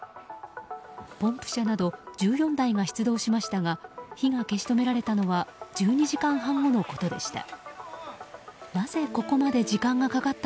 ポンプ車など１４台が出動しましたが火が消し止められたのは１２時間半後のことでした。